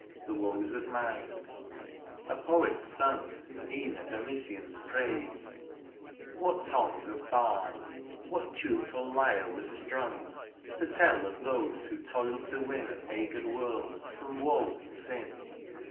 The woes of mind. A poet sung E'en a Domitian's praise ! What tongue Of bard, what tuneful lyre was strung. THE AREOPAGITE. 95 To tell of those who toiled to win A pagan world from woe and sin